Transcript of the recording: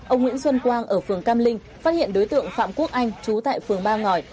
ông nguyễn xuân quang ở phường cam linh phát hiện đối tượng phạm quốc anh trú tại phường ba ngỏi